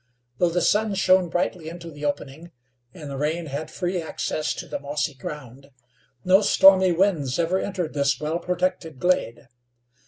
Though the sun shone brightly into the opening, and the rain had free access to the mossy ground, no stormy winds ever entered this well protected glade.